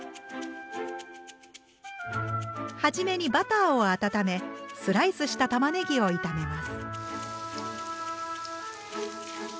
初めにバターを温めスライスしたたまねぎを炒めます。